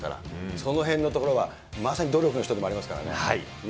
そのへんのところは、まさに努力の人でもありますからね。